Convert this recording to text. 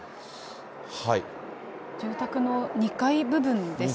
住宅の２階部分ですかね。